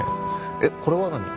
えっこれは何？